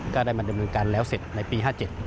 ก็ได้มาดำเนินการแล้วเสร็จในปี๕๗